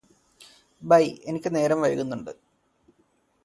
by എനിക്ക് നേരം വൈകുന്നുണ്ട്